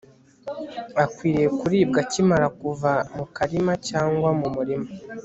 Akwiriye Kuribwa Akimara kuva mu Karima cyangwa mu Murima